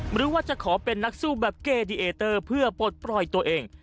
หรือว่าจะขอเป็นนักสู้แบบเกดีเอเตอร์เพื่อปลดปล่อยตัวเอง